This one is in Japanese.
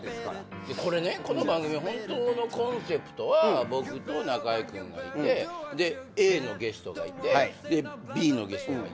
でこれねこの番組本当のコンセプトは僕と中居君がいてＡのゲストがいてＢのゲストがいて。